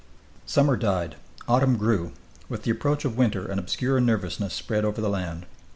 Summer died. Autumn grew. With the approach of winter an obscure nervousness spread over the land.